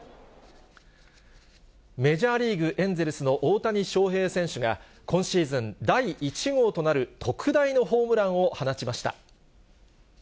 メジャーリーグ・エンゼルスの大谷翔平選手が今シーズン第１号となる特大のホームランを放ちました。